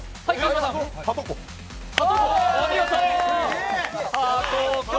お見事！